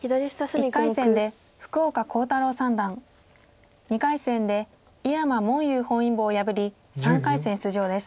１回戦で福岡航太朗三段２回戦で井山文裕本因坊を破り３回戦出場です。